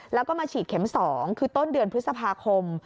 แล้วก็มาฉีดเข็ม๒คือต้นเดือนพฤษภาคม